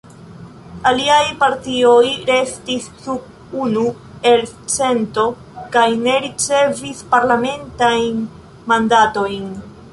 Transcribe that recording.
Aliaj partioj restis sub unu elcento kaj ne ricevis parlamentajn mandatojn.